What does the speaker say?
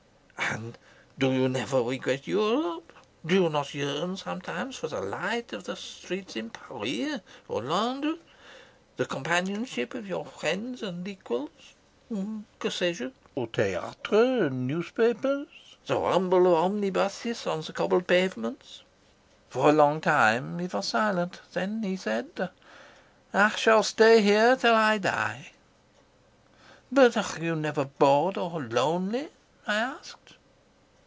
"'And do you never regret Europe? Do you not yearn sometimes for the light of the streets in Paris or London, the companionship of your friends, and equals, for theatres and newspapers, and the rumble of omnibuses on the cobbled pavements?' "For a long time he was silent. Then he said: "'I shall stay here till I die.' "'But are you never bored or lonely?' I asked.